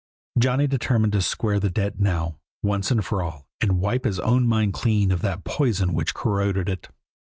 Johnny determined to square the debt now, once for all, and wipe his own mind clean of that poison which corroded it.